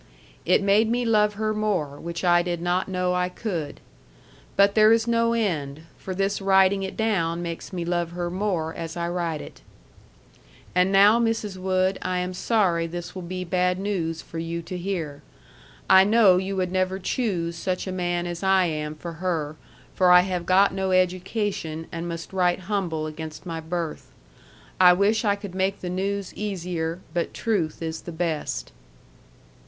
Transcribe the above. It made me love her more which I did not know I could. But there is no end, for this writing it down makes me love her more as I write it. And now Mrs. Wood I am sorry this will be bad news for you to hear. I know you would never choose such a man as I am for her for I have got no education and must write humble against my birth. I wish I could make the news easier but truth is the best.